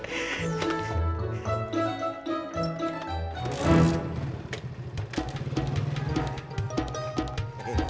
di dalam sendirian